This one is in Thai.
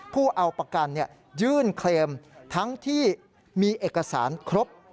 ผู้เอาประกันยื่นเคลมทั้งที่มีเอกสารครบ